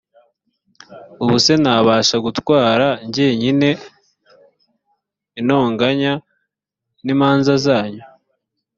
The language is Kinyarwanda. ubu se nabasha gutwara jyenyine intonganya n’imanza zanyu?